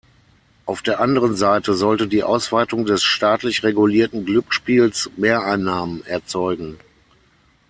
Auf der anderen Seite sollte die Ausweitung des staatlich regulierten Glücksspiels Mehreinnahmen erzeugen.